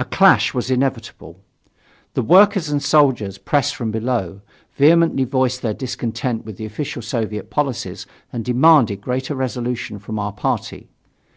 A clash was inevitable. The workers and soldiers pressed from below, vehemently voiced their discontent with the official Soviet policies and demanded greater resolution from our party.